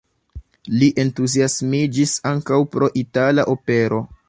Li entuziasmiĝis ankaŭ pro itala opero.